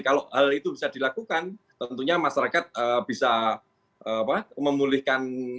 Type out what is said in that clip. kalau hal itu bisa dilakukan tentunya masyarakat bisa memulihkan